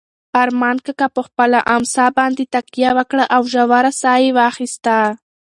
ارمان کاکا په خپله امسا باندې تکیه وکړه او ژوره ساه یې واخیسته.